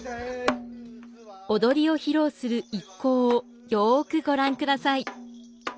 踊りを披露する一行をよくご覧ください。